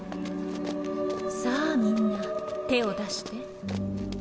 さあみんな手を出して。